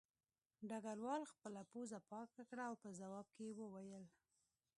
ډګروال خپله پوزه پاکه کړه او په ځواب کې یې وویل